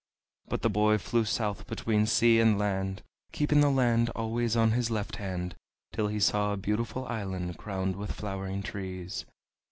But the boy flew south between sea and land, keeping the land always on his left hand, till he saw a beautiful island crowned with flowering trees.